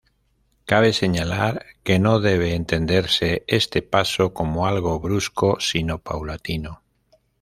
Cabe señalar que no debe entenderse este paso como algo brusco sino paulatino.